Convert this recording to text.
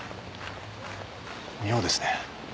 妙ですね。